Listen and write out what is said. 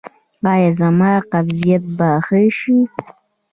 ایا زما قبضیت به ښه شي؟